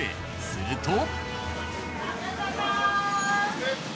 ［すると］